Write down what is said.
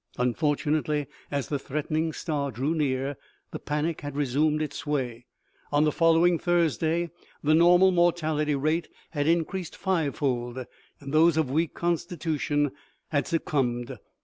Unfortunately, as the threatening star drew near, the panic had resumed its sway. On the following Thursday the normal mortality rate had in creased fivefold, and those of weak constitution had suc cumbed.